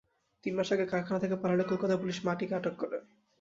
তিন মাস আগে কারখানা থেকে পালালে কলকাতা পুলিশ মাটিকে আটক করে।